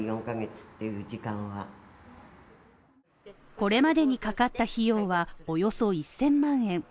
これまでにかかった費用はおよそ１０００万円